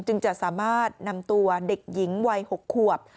จึงจะสามารถนำตัวเด็กหญิงวัย๖ขวบ